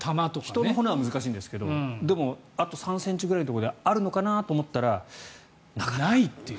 人の骨は難しいんですがでもあと３ｃｍくらいのところであるのかなと思ったらなかった。